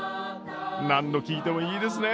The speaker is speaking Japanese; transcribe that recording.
何度聴いてもいいですね